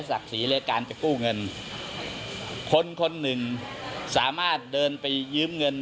ศรีเลยการจะกู้เงินคนคนหนึ่งสามารถเดินไปยืมเงิน